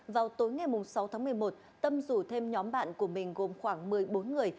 vào tối ngày sáu tháng một mươi một tâm rủ thêm nhóm bạn của mình gồm khoảng một mươi bốn người